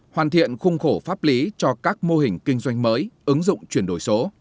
hoàn thiện khung khổ pháp lý cho các mô hình kinh doanh mới ứng dụng chuyển đổi số